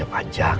aku mau jadi siapa